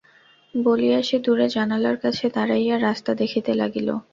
বলিয়া সে দূরে জানালার কাছে দাঁড়াইয়া রাস্তা দেখিতে লাগিল।